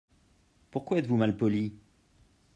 Pourquoi êtes-vous mal poli ?